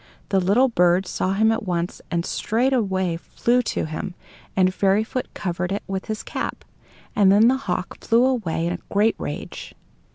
The little bird saw him at once, and straightway flew to him, and Fairyfoot covered it with his cap. And then the hawk flew away in a great rage.